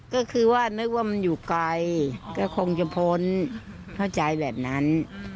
ก็คือว่านึกว่ามันอยู่ไกลก็คงจะพ้นเข้าใจแบบนั้น